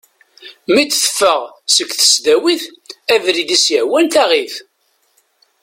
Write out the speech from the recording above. Mi d-teffeɣ seg tesdawit, abrid i as-yehwan taɣ-it.